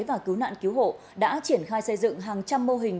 và cứu nạn cứu hộ đã triển khai xây dựng hàng trăm mô hình